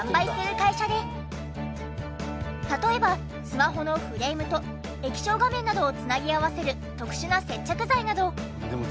例えばスマホのフレームと液晶画面などを繋ぎ合わせる特殊な接着剤など。